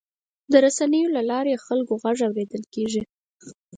د رسنیو له لارې د خلکو غږ اورېدل کېږي.